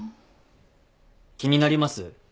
気になります？